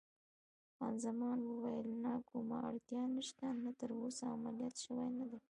خان زمان وویل: نه، کومه اړتیا نشته، ته تراوسه عملیات شوی نه یې.